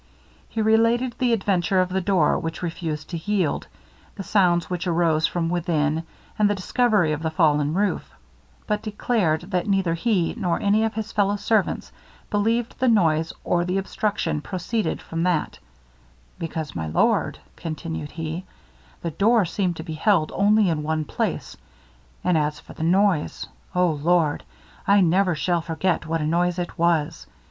He related the adventure of the door which refused to yield, the sounds which arose from within, and the discovery of the fallen roof; but declared that neither he, nor any of his fellow servants, believed the noise or the obstruction proceeded from that, 'because, my lord,' continued he, 'the door seemed to be held only in one place; and as for the noise O! Lord! I never shall forget what a noise it was!